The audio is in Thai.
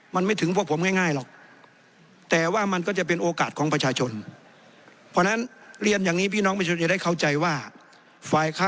มันไม่ถึงพวกผมง่ายหรอก